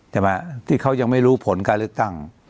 ที่เขายังไม่รู้ผลการเลือกตั้ง